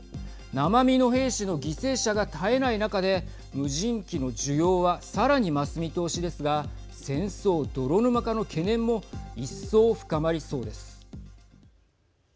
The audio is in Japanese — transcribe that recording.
生身の兵士の犠牲者が絶えない中で無人機の需要はさらに増す見通しですが戦争泥沼化の懸念も一層、深まりそうです。